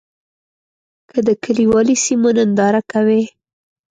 که د کلیوالي سیمو ننداره کوې.